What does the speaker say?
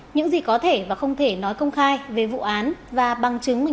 những gì có thể và không thể nói công khai về vụ án và bằng chứng minh